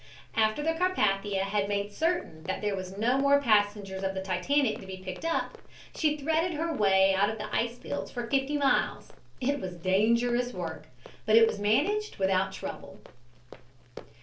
After the Carpathia had made certain that there were no more passengers of the Titanic to be picked up, she threaded her way out of the ice fields for fifty miles. It was dangerous work, but it was managed without trouble.